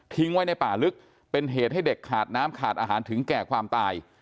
ไว้ในป่าลึกเป็นเหตุให้เด็กขาดน้ำขาดอาหารถึงแก่ความตาย